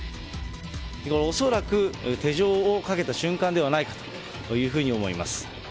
恐らく手錠をかけた瞬間ではないかというふうに思います。